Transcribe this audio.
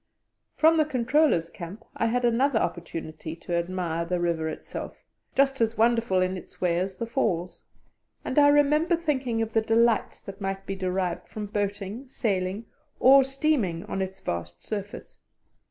From the Controller's Camp I had another opportunity to admire the river itself, just as wonderful in its way as the Falls, and I remember thinking of the delights that might be derived from boating, sailing, or steaming, on its vast surface.